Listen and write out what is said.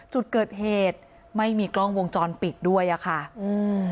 จุดเกิดเหตุไม่มีกล้องวงจรปิดด้วยอ่ะค่ะอืม